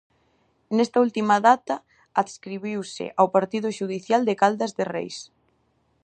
Nesta última data adscribiuse ao partido xudicial de Caldas de Reis.